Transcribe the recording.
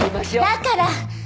だから！